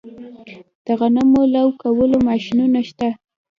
د غنمو لو کولو ماشینونه شته